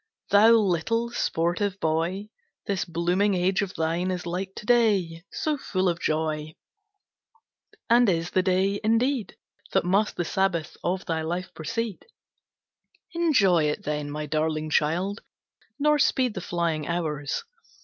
Thou little, sportive boy, This blooming age of thine Is like to day, so full of joy; And is the day, indeed, That must the sabbath of thy life precede. Enjoy, it, then, my darling child, Nor speed the flying hours!